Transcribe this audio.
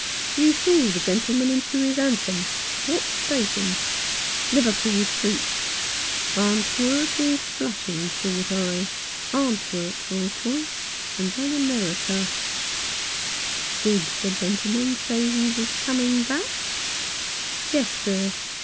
You saw the gentleman into his hansom — what station ?" "Liverpool Street." Antwerp or Flushing, thought I. Antwerp for choice, and then America. 127 Rough Justice. " Did the gentleman say he was coming back ?"" Yes, sir.